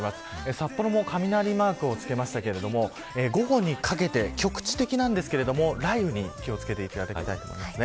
札幌も雷マークを付けましたが午後にかけて、局地的なんですが雷雨に気を付けていただきたいと思います。